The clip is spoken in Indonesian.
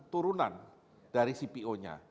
turunan dari cpo nya